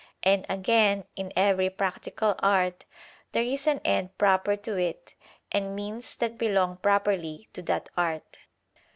And again, in every practical art there is an end proper to it and means that belong properly to that art.